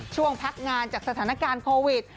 ช่วงพักงานจากสถานการณ์โควิด